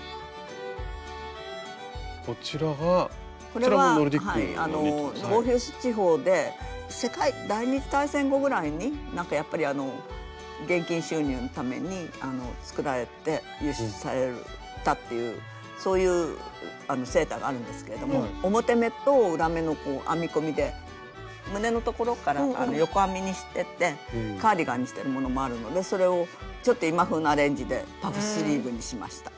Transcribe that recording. これはボーヒュース地方で世界第２次大戦後ぐらいにやっぱり現金収入のために作られて輸出されたっていうそういうセーターがあるんですけれども表目と裏目の編み込みで胸のところから横編みにしてってカーディガンにしてるものもあるのでそれをちょっと今風なアレンジでパフスリーブにしました。